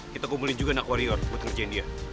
kita kumpulin juga nak warrior buat ngerjain dia